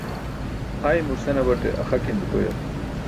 Aymur senabate axakin dukoyal.